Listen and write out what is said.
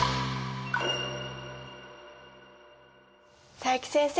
佐伯先生